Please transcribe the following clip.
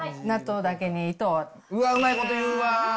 うわ、うまいこと言うわ。